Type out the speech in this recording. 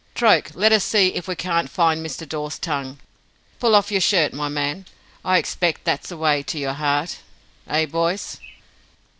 "Troke, let us see if we can't find Mr. Dawes's tongue. Pull off your shirt, my man. I expect that's the way to your heart eh, boys?"